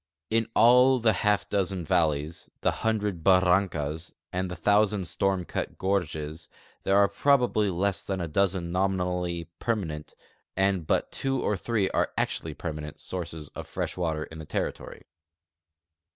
In all the half dozen valle3''S, the hundred barrancas, and the thousand storm cut gorges, there are probably less than a dozen nominally perma nent, and but two or three actually permanent, sources of fresh water in the territory.